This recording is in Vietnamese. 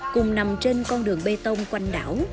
cùng nằm trên con đường bê tông quanh đảo